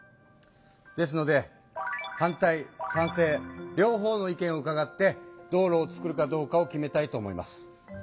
ですので反対賛成両方の意見をうかがって道路をつくるかどうかを決めたいと思います。